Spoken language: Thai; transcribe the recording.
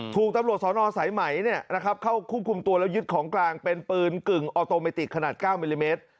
ถูกตำรวจสนสายไหมเข้าควบคุมตัวแล้วยึดของกลางเป็นปืนกึ่งออโตเมติกขนาด๙มิลลิเมตร